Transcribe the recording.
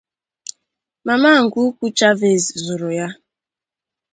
Mama nke ukwu Chavez zụrụ ya